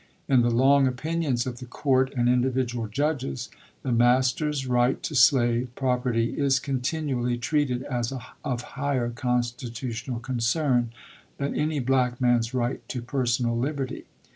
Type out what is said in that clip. In the long opinions of the court and individual judges, the master's right to slave property is continually treated as of higher consti tutional concern than any black man's right to personal liberty.